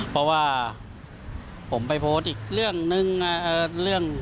เพราะว่าผมไปโพสต์อีกเรื่องนึง